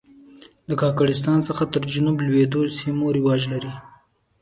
د کاکړستان څخه تر جنوب لوېدیځو سیمو رواج لري.